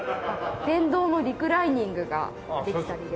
電動のリクライニングができたりですとか。